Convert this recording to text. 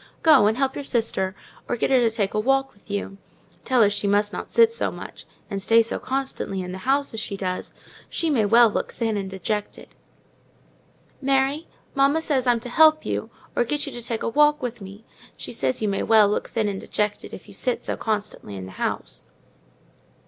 Go and help your sister, or get her to take a walk with you—tell her she must not sit so much, and stay so constantly in the house as she does—she may well look thin and dejected." "Mary, mamma says I'm to help you; or get you to take a walk with me; she says you may well look thin and dejected, if you sit so constantly in the house."